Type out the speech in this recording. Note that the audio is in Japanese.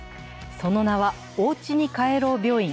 その名は、おうちにかえろう病院。